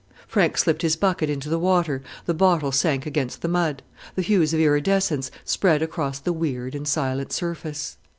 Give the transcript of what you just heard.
Frank slipped his bucket into the water; the bottle sank against the mud. The hues of iridescence spread across the weird and silent surface.